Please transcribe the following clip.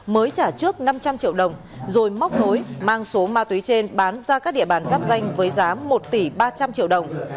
mới trả trước năm trăm linh triệu đồng rồi móc nối mang số ma túy trên bán ra các địa bàn giáp danh với giá một tỷ ba trăm linh triệu đồng